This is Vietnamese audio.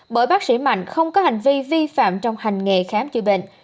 bởi bác sĩ mạnh không có hành vi vi phạm trong hành nghề khám chữa bệnh